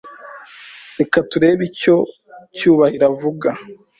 Reka turebe icyo Cyubahiro avuga.